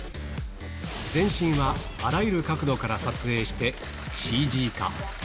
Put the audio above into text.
全身はあらゆる角度から撮影して、ＣＧ化。